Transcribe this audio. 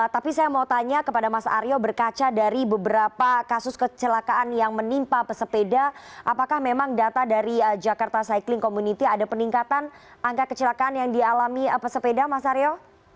tapi saya mau tanya kepada mas aryo berkaca dari beberapa kasus kecelakaan yang menimpa pesepeda apakah memang data dari jakarta cycling community ada peningkatan angka kecelakaan yang dialami pesepeda mas aryo